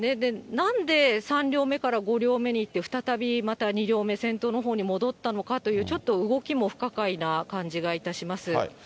なんで３両目から５両目に行って、再びまた２両目、先頭のほうに戻ったのかという、ちょっと動きも不可解な感じがいたします。